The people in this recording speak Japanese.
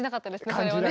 それはね。